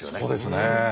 そうですね。